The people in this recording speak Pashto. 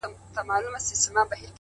علم د پرمختګ لاره روښانه کوي